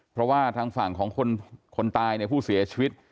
เพราะว่าทางฝั่งของคนตายเนี่ยผู้เสียชีวิต